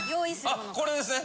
あこれですね。